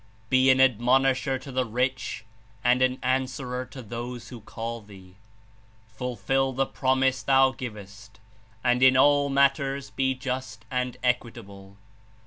Be an admonisher to the rich, and an answerer to those who call thee. "Fulfill the promise thou givest and in all matters be just and equitable.